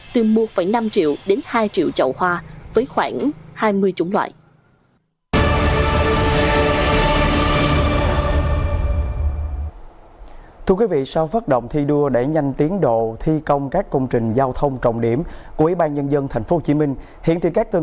từ một năm triệu đến hai triệu chậu hoa